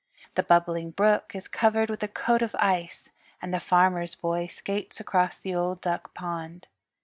The Bubbling Brook is covered with a coat of ice, and the Farmer's Boy skates across the Old Duck Pond.